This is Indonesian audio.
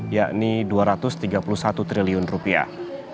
yakni dua ratus tiga puluh satu triliun rupiah